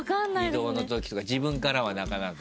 移動のときとか自分からはなかなか？